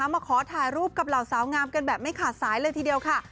มาขอถ่ายรูปกับเหล่าสาวงามกันแบบไม่ขาดสายเลยทีเดียวค่ะ